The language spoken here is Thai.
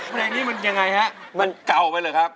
เพลงนี้มันยังไงฮะมันเก่าไปเหรอครับ